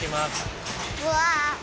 うわ！